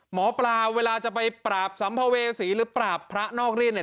หมอปลาเวลาจะไปปราบสัมภเวษีหรือปราบพระนอกรีดเนี่ย